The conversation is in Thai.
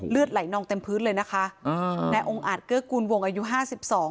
เลือดไหลนองเต็มพื้นเลยนะคะอ่านายองค์อาจเกื้อกูลวงอายุห้าสิบสอง